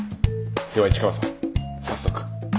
では市川さん早速。